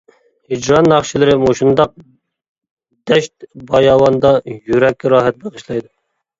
ھىجران ناخشىلىرى مۇشۇنداق دەشت-باياۋاندا يۈرەككە راھەت بېغىشلايدۇ.